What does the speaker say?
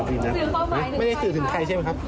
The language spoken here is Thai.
ไม่ได้สื่อถึงใครใช่ไหมครับ